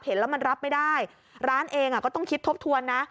เห็นแล้วมันรับไม่ได้ร้านเองก็ต้องคิดทบทวนนะ